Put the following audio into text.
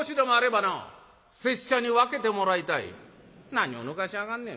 「何をぬかしやがんねん。